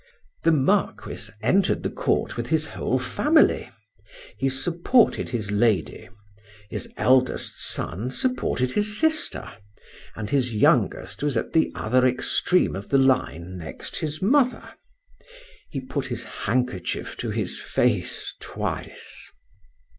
The Marquis entered the court with his whole family: he supported his lady,—his eldest son supported his sister, and his youngest was at the other extreme of the line next his mother;—he put his handkerchief to his face twice.